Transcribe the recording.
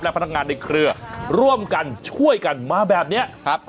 พนักงานในเครือร่วมกันช่วยกันมาแบบนี้ครับ